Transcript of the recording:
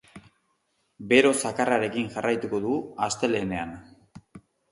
Bero zakarrarekin jarraituko dugu astelehenean.